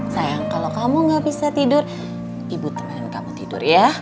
sayang kalau kamu gak bisa tidur ibu teman kamu tidur ya